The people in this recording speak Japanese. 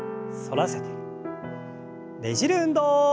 ねじる運動。